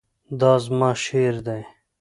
دا زما شعر دی